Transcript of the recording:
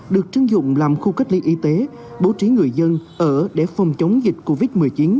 được chứng dụng làm khu cách ly y tế bố trí người dân ở để phòng chống dịch covid một mươi chín